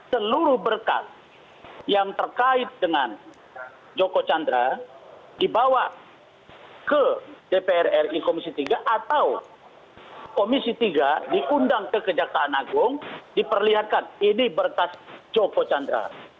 seluruh berkas yang terkait dengan joko chandra dibawa ke dpr ri komisi tiga atau komisi tiga diundang ke kejaksaan agung diperlihatkan ini berkas joko chandra